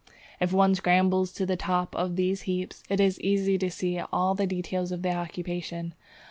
If one scrambles to the top of one of these heaps, it is easy to see all the details of the occupation.